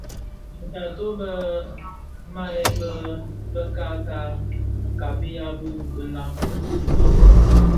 Be taatôh be be mahebe bë ka kabiya bi ilami ki birakoň.